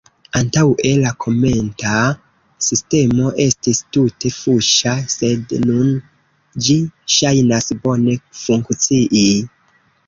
Antaŭe la komenta sistemo estis tute fuŝa sed nun ĝi ŝajnas bone funkcii.